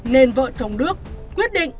nên vợ chồng đức quyết định